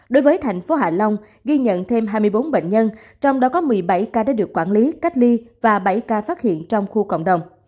đối với thành phố hạ long ghi nhận thêm hai mươi bốn bệnh nhân trong đó có một mươi bảy ca đã được quản lý cách ly và bảy ca phát hiện trong khu cộng đồng